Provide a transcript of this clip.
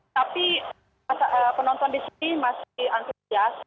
tapi penonton di sini masih antusias